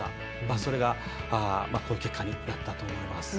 それがこういう結果になったと思います。